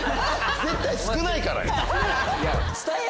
絶対少ないからよ！